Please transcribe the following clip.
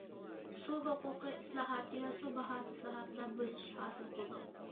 سۇ ھوقۇقى ئىسلاھاتى ۋە سۇ باھاسى ئىسلاھاتىدا بۆسۈش ھاسىل قىلدۇق.